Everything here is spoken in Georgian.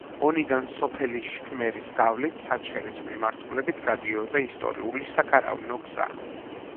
ონიდან სოფელი შქმერის გავლით საჩხერის მიმართულებით გადიოდა ისტორიული საქარავნო გზა.